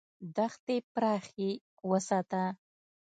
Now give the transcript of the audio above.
دښتې پراخې وساته.